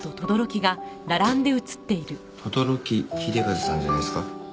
轟秀和さんじゃないですか？